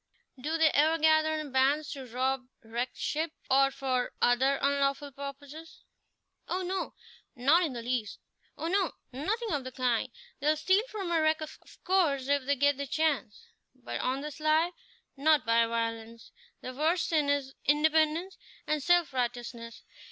"Do they ever gather in bands to rob wrecked ships, or for other unlawful purposes?" "Oh no, not in the least! Oh no, nothing of the kind! They'll steal from a wreck, of course, if they get the chance; but on the sly, not by violence. Their worst sin is independence and self righteousness.